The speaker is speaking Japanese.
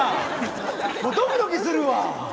もうドキドキするわ。